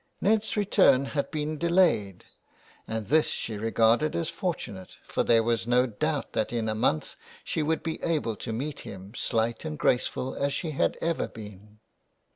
Ned's return had been delayed, and this she regarded as fortunate, for there was no doubt that in a month she would be able to meet him, slight and graceful as she had ever been.